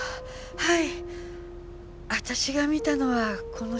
はい。